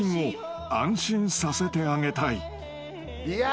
いや！